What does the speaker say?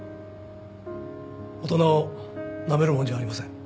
大人をなめるもんじゃありません。